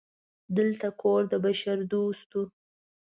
دلته کور د بشردوستو